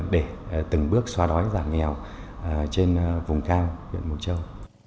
để từng bước xóa đói giảm nghèo trên vùng cao huyện mùa vụ huyện